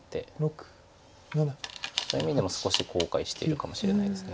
そういう意味でも少し後悔してるかもしれないです。